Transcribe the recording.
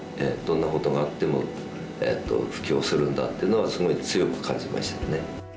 どんなことがあっても普及するんだっていうのはすごい強く感じましたね。